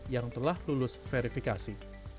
yang telah lulus verifikasi